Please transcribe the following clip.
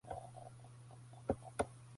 سرق فاضل سيارة في القاهرة.